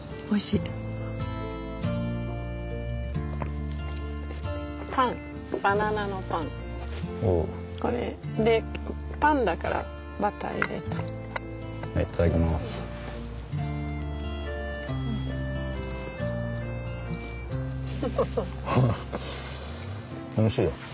おいしいよ。